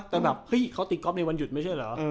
แต่เขาตีกอล์ฟในวันหยุดไม่เชิดเหรอ